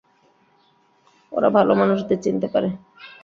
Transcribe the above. ওরা ভালো মানুষদের চিনতে পারে।